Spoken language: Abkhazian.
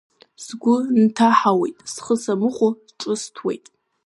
Сгәы нҭаҳауеит, схы самыхәо, ҿысҭуеит…